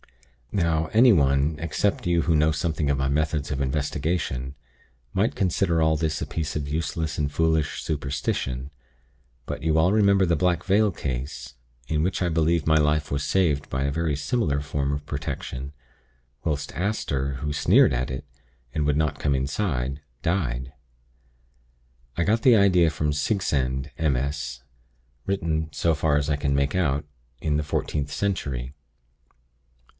"Now, anyone, except you who know something of my methods of investigation, might consider all this a piece of useless and foolish superstition; but you all remember the Black Veil case, in which I believe my life was saved by a very similar form of protection, whilst Aster, who sneered at it, and would not come inside, died. I got the idea from the Sigsand MS., written, so far as I can make out, in the 14th century.